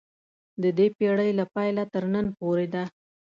د دې پېړۍ له پیله تر ننه پورې ده.